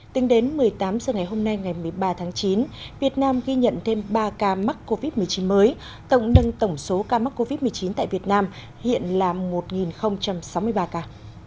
tính đến một mươi tám h ngày hôm nay ngày một mươi ba tháng chín việt nam ghi nhận thêm ba ca mắc covid một mươi chín mới tổng nâng tổng số ca mắc covid một mươi chín tại việt nam hiện là một sáu mươi ba ca